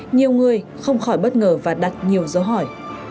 nhiều người không khỏi bất ngờ và đặt nhiều dấu hỏi